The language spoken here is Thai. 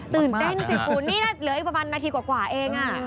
ตื่นเต้นสิคุณนี่เหลือประมาณนาทีกว่ากว่าเอง